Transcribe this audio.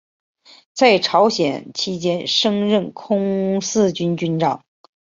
在朝鲜期间升任空四军军长。